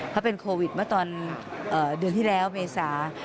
เขาเป็นโควิดเมื่อตอนเดือนที่แล้วเมษา